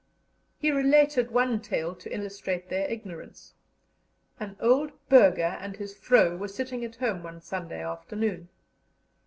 He related one tale to illustrate their ignorance: An old burgher and his vrow were sitting at home one Sunday afternoon.